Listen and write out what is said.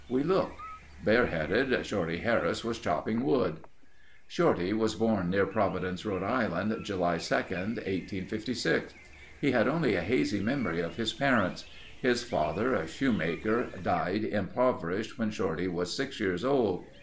We looked. Bareheaded, Shorty Harris was chopping wood. Shorty was born near Providence, Rhode Island, July 2, 1856. He had only a hazy memory of his parents. His father, a shoemaker, died impoverished when Shorty was six years old.